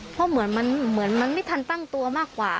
เพราะเหมือนมันไม่ทันตั้งตัวมากกว่า